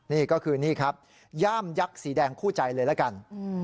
นี่ก็คือนี่ครับย่ามยักษ์สีแดงคู่ใจเลยละกัน